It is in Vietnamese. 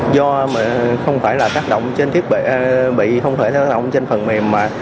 do không thể tác động trên phần mềm